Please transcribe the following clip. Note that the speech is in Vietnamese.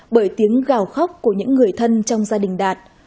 bởi tiếng gào khóc của những người thân trong gia đình đạt